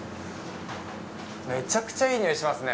めちゃくちゃいい匂いしますね。